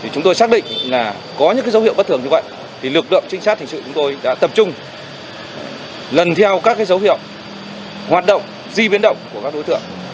chúng tôi xác định là có những dấu hiệu bất thường như vậy lực lượng trinh sát thành sự chúng tôi đã tập trung lần theo các dấu hiệu hoạt động di biến động của các đối tượng